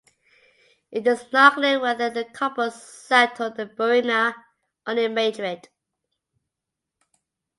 It is not clear whether the couple settled in Burriana or in Madrid.